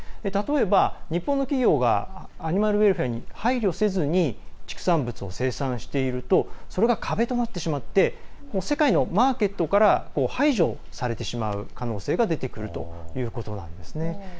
例えば、日本の企業がアニマルウェルフェアに配慮せずに畜産物を生産しているとそれが壁となってしまって世界のマーケットから排除されてしまう可能性が出てくるということなんですね。